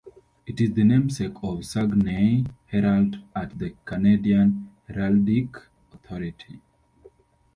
It is the namesake of Saguenay Herald at the Canadian Heraldic Authority.